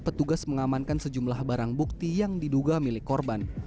petugas mengamankan sejumlah barang bukti yang diduga milik korban